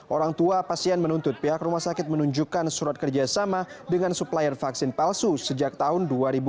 orang tua pasien menuntut pihak rumah sakit menunjukkan surat kerjasama dengan supplier vaksin palsu sejak tahun dua ribu enam belas